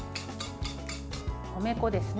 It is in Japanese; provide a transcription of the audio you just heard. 米粉ですね。